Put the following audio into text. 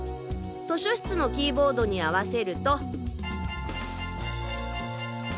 図書室のキーボードに合わせると。